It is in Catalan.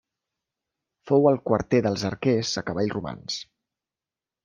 Fou el quarter dels arquers a cavall romans.